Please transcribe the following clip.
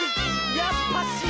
やっぱし。